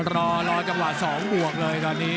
รอรอจังหวะ๒บวกเลยตอนนี้